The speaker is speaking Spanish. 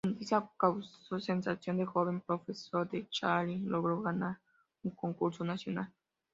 La noticia causó sensación, un joven profesor de Chelyabinsk logró ganar un concurso nacional.